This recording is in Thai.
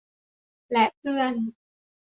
และเพื่อน